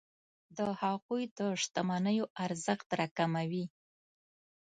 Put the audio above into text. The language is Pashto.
د هغوی د شتمنیو ارزښت راکموي.